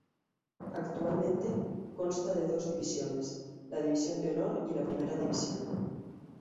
Actualmente consta de dos divisiones: la División de Honor y la Primera División.